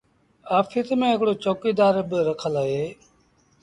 آڦيٚس ميݩ هڪڙو چوڪيٚدآر با رکل اهي۔